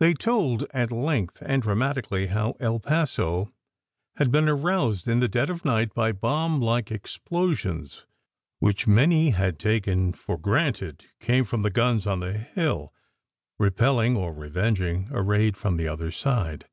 They told at length and dramatically how El Paso had been aroused in the dead of night by bomblike explosions which, many had taken for granted, came from the guns on the hill, repelling or revenging a raid from the other side.